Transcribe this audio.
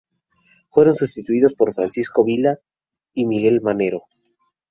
Fueron sustituidos por Francisco Vila y Miguel Manero.